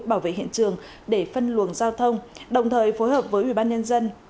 bảo vệ hiện trường để phân luồng giao thông đồng thời phối hợp với ủy ban nhân dân